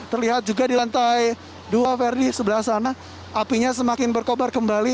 terlihat juga di lantai dua verdi sebelah sana apinya semakin berkobar kembali